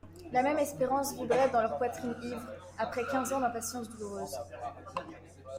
La même espérance vibrait dans leurs poitrines ivres, après quinze ans d'impatience douloureuse.